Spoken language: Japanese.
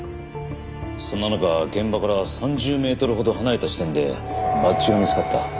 そんな中現場から３０メートルほど離れた地点でバッジが見つかった。